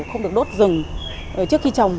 không được đốt rừng trước khi trồng